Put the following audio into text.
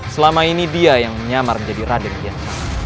selama ini dia yang menyamar menjadi raden dia